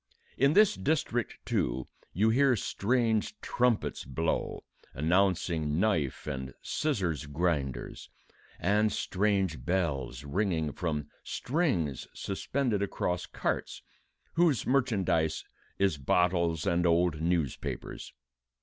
In this district, too, you hear strange trumpets blow, announcing knife and scissors grinders, and strange bells ringing from strings suspended across carts, whose merchandise is bottles and old newspapers.